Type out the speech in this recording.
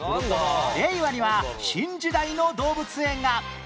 令和には新時代の動物園が